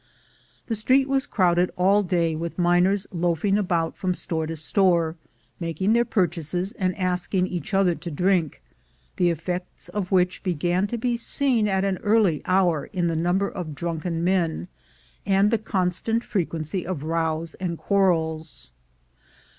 The street was crowded all day with miners loafing about from store to store, making their purchases and asking each other to drink, the effects of which began to be seen at an early hour in the number of drunken men, and the consequent frequency of rows and quarrels.